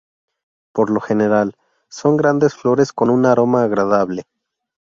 Por lo general son grandes flores con un aroma agradable.